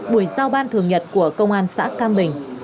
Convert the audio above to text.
buổi giao ban thường nhật của công an xã cam bình